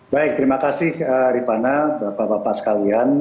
baik terima kasih rifana bapak bapak sekalian